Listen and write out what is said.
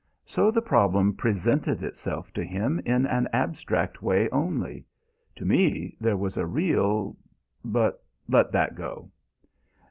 So the problem presented itself to him in an abstract way only; to me there was a real but let that go.